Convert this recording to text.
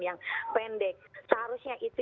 yang pendek seharusnya itu